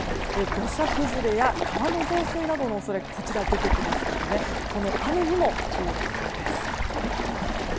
土砂崩れや川の増水などの恐れが出てきますので、雨にも注意が必要です。